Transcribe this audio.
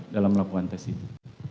dalam melakukan tes itu